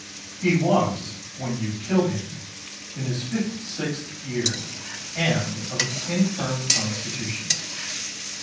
He was, when you killed him, in his fifty sixth year, and of an infirm constitution.